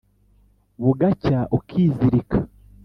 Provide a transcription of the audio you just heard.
bugacya ukizirika